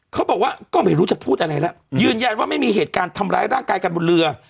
เขาบอกว่าก็ไม่รู้จะพูดอะไรแล้วยืนยันว่าไม่มีเหตุการณ์ทำร้ายร่างกายกันบนเรือ